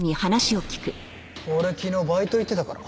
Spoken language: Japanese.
俺昨日バイト行ってたから。